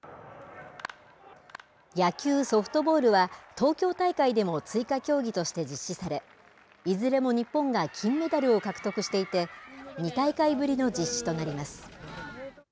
野球・ソフトボールは東京大会でも追加競技として実施され、いずれも日本が金メダルを獲得していて、２大会ぶりの実施となります。